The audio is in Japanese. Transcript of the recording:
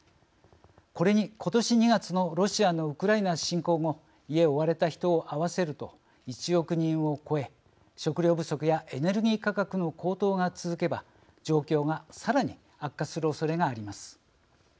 これに、ことし２月のロシアのウクライナ侵攻後家を追われた人を合わせると１億人を超え食料不足やエネルギー価格の高騰が続けば状況がさらに悪化するおそれがあります。